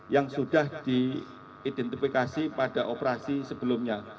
yang sudah diidentifikasi pada operasi sebelumnya